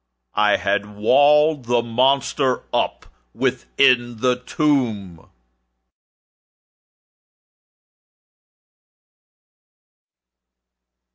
I had walled the monster up within the tomb!